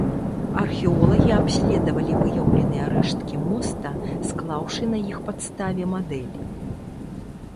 Археолагі абследавалі выяўленыя рэшткі моста, склаўшы на іх падставе мадэль.